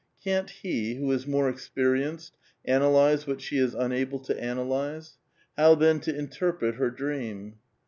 Can't he, who is more experienced, analyze what she is unable to analyze? How, then, to inter pret her dream?